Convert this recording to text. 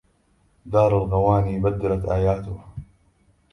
دار الغواني بدلت آياتها